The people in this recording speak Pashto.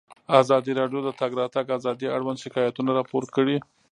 ازادي راډیو د د تګ راتګ ازادي اړوند شکایتونه راپور کړي.